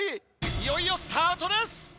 いよいよスタートです！